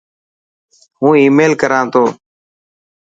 هون آي ميل ڪران تو.